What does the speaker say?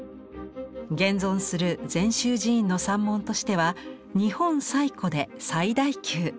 現存する禅宗寺院の三門としては日本最古で最大級。